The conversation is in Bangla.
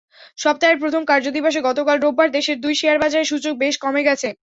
সপ্তাহের প্রথম কার্যদিবসে গতকাল রোববার দেশের দুই শেয়ারবাজারে সূচক বেশ কমে গেছে।